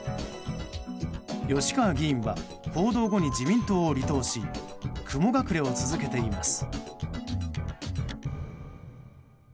吉川議員は報道後に自民党を離党し雲隠れを続けています。